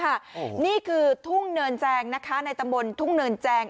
นี่คือทุ่งเนินแจงนะคะในตำบลทุ่งเนินแจง